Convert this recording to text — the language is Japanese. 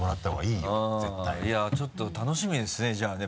いやちょっと楽しみですねじゃあね。